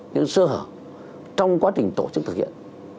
những sơ hở trong quá trình tổ chức thực hiện